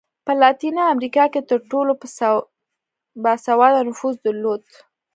په لاتینه امریکا کې تر ټولو با سواده نفوس درلود.